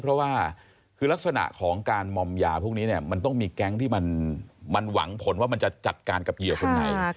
เพราะว่าคือลักษณะของการมอมยาพวกนี้เนี่ยมันต้องมีแก๊งที่มันหวังผลว่ามันจะจัดการกับเหยื่อคนไหน